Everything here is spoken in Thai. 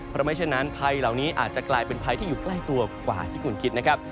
เพราะไม่เช่นนั้นภัยเหล่านี้อาจจะกลายเป็นภัยที่อยู่ใกล้ตัวกว่าที่คุณคิดนะครับ